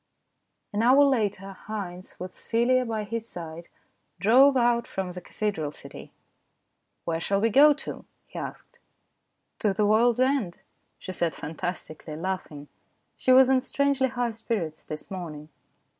An hour later Haynes, with Celia by his side, drove out from the cathedral city. " Where shall we go to ?" he asked. " To the world's end," she said fantastically, laughing. She was in strangely high spirits this morning.